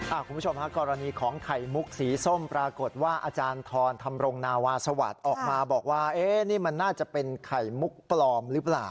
คุณผู้ชมฮะกรณีของไข่มุกสีส้มปรากฏว่าอาจารย์ทรธรรมรงนาวาสวัสดิ์ออกมาบอกว่าเอ๊ะนี่มันน่าจะเป็นไข่มุกปลอมหรือเปล่า